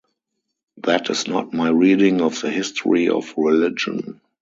That is not my reading of the history of religion.